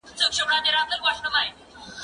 زه اجازه لرم چي کتابونه وړم؟!